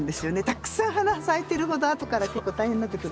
たくさん花咲いてるほどあとからちょっと大変になってくるので。